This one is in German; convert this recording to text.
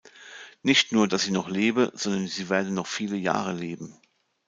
Nicht nur, dass sie noch lebe, sondern sie werde noch viele Jahre leben.